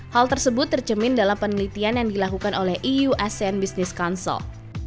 hal tersebut tercermin dalam penelitian yang dilakukan oleh eu asean business council